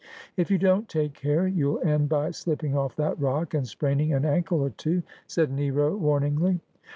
' If you don't take care you'll end by slipping ofE that rock, and spraining an ankle or two,' said Nero warniugly.